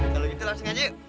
kalau gitu langsung aja yuk